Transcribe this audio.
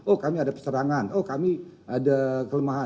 oh kami ada perserangan oh kami ada kelemahan